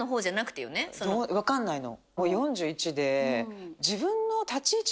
わかんないの。